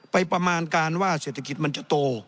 ประมาณการว่าเศรษฐกิจมันจะโต